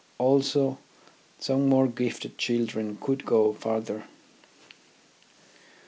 Also some more gifted children could go further.